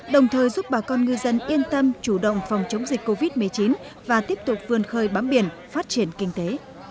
đồng thời giúp bà con ngư dân yên tâm chủ động phòng chống dịch covid một mươi chín và tiếp tục vươn khơi bám biển phát triển kinh tế